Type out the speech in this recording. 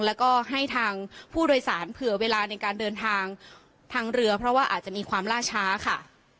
แล้วก็ให้ทางผู้โดยสารเผื่อเวลาในการเดินทางทางเรือเพราะว่าอาจจะมีความล่าช้าค่ะ